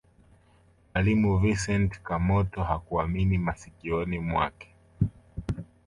mwalimu vincent kamoto hakuamini masikioni mwake